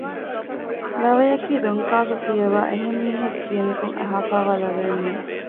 ލަވަޔަކީ ދޮންކާފަ ފިޔަވައި އެހެން މީހަކު ކިޔަނިކޮށް އަހައިފައިވާ ލަވައެއް ނޫން